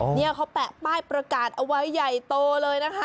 เนี่ยเขาแปะป้ายประกาศเอาไว้ใหญ่โตเลยนะคะ